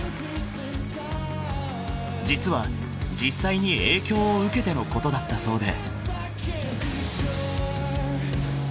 ［実は実際に影響を受けてのことだったそうで］